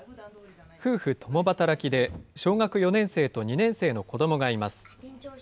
夫婦共働きで小学４年生と２年生の子どもがいます。